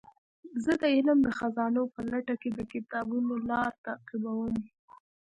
زه د علم د خزانو په لټه کې د کتابونو لار تعقیبوم.